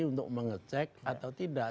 untuk mengecek atau tidak